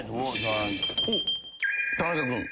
田中君。